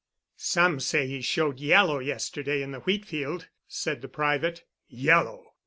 "Some say he showed yellow yesterday in the wheat field," said the private. "Yellow!